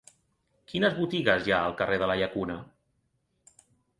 Quines botigues hi ha al carrer de la Llacuna?